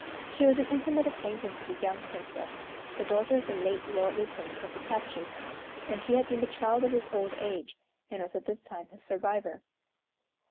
She was an intimate acquaintance of a young Princess, the daughter of the late Lord Lieutenant of Hitachi, and she had been the child of his old age, and was at this time his survivor.